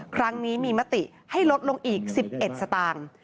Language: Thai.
ครั้งนี้มีมติให้ลดลงอีก๑๑สตางค์